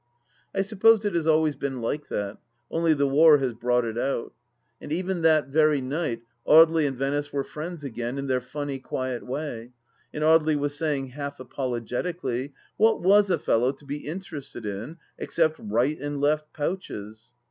,.. I suppose it has always been like that, only the war has brought it out. And even that very night Audely and Venice were friends again, in their funny, quiet way, and Audely was saying half apologetically, " What wat a fellow to be interested in except right and left pouches